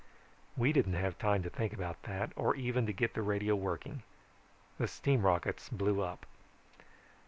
"We didn't have time to think about that, or even to get the radio working. The steam rockets blew up.